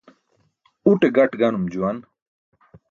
Uṭe gaṭ ganum juwan.